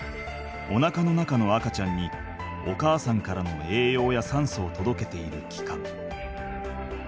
おなかの中の赤ちゃんにお母さんからの栄養やさんそを届けているきかん。